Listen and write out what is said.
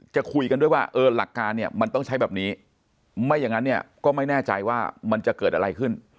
จะคุยกันด้วยว่าเออหลักการเนี่ยมันต้องใช้แบบนี้ไม่อย่างนั้นเนี่ยก็ไม่แน่ใจว่ามันจะเกิดอะไรขึ้น